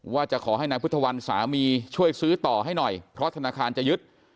ว่าจะขอให้นายพุทธวันสามีช่วยซื้อต่อให้หน่อยเพราะธนาคารจะยึด